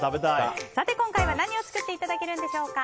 今回は何を作っていただけるんでしょうか？